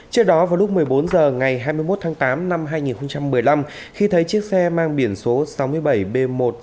trước đó vào lúc một mươi bốn h ngày hai mươi một tháng tám năm hai nghìn một mươi năm khi thấy chiếc xe mang biển số sáu mươi bảy b một trăm sáu mươi sáu nghìn năm trăm ba mươi chín